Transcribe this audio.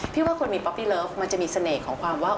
ว่าคนมีป๊อปปี้เลิฟมันจะมีเสน่ห์ของความว่า